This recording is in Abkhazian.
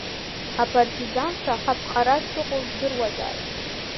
Апартизанцәа ҳаԥҟара шыҟоу жәдыруазааит…